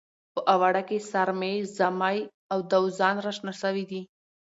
په اواړه کې سارمې، زمۍ او دوزان راشنه شوي دي.